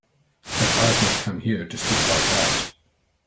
But I've not come here to speak about that.